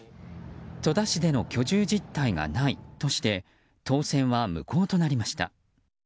戸田市での居住実態がないとして当選は無効となりました。